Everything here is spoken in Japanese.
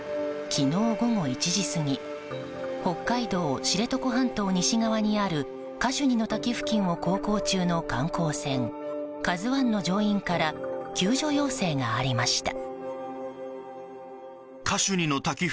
昨日午後１時過ぎ北海道知床半島西側にあるカシュニの滝付近を航行中の観光船「ＫＡＺＵ１」の乗員から救助要請がありました。